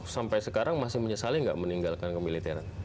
sampai sekarang masih menyesali nggak meninggalkan kemiliteran